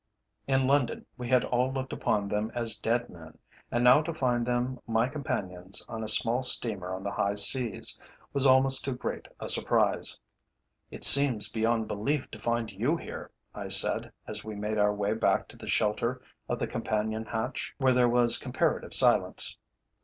In London we had all looked upon them as dead men, and now to find them my companions on a small steamer on the high seas, was almost too great a surprise. "It seems beyond belief to find you here," I said, as we made our way back to the shelter of the companion hatch, where there was comparative silence.